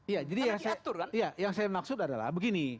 ya jadi yang saya maksud adalah begini